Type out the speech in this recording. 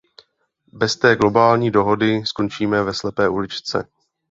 Bez té globální dohody skončíme ve slepé uličce.